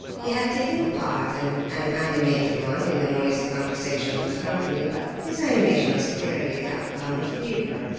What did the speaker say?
He had taken a part, and an animated one, in the noisy conversation of the company; but his animation was clearly the outcome of fever.